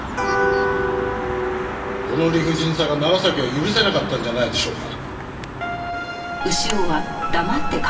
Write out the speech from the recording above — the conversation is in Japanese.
この理不尽さが長崎は許せなかったんじゃないでしょうか？